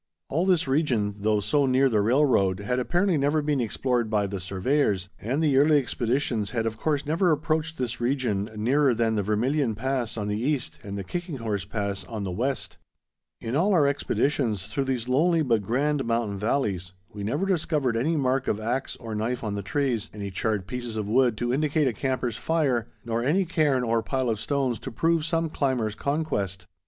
All this region, though so near the railroad, had apparently never been explored by the surveyors, and the early expeditions had of course never approached this region nearer than the Vermilion Pass on the east and the Kicking Horse Pass on the west. In all our expeditions through these lonely but grand mountain valleys, we never discovered any mark of axe or knife on the trees, any charred pieces of wood to indicate a camper's fire, nor any cairn or pile of stones to prove some climber's conquest.